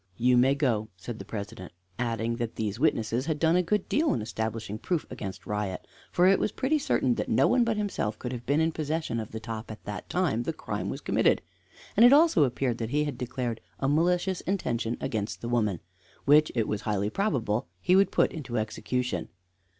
"You may go," said the President, adding "that these witnesses had done a good deal in establishing proof against Riot; for it was pretty certain that no one but himself could have been in possession of the top at the time the crime was committed, and it also appeared that he had declared a malicious intention against the woman, which it was highly probable he would put into execution.